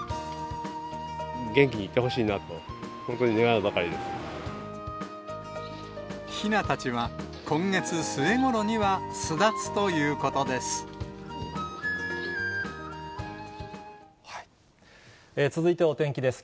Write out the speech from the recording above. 元気でいてほしいなと、ひなたちは今月末ごろには巣続いてはお天気です。